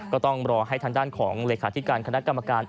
ก็ต้องรอให้ทางด้านของเลขาธิการคณะกรรมการ